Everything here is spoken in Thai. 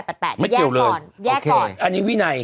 มันเกี่ยวก่อนแยกก่อนอันนี้วินัย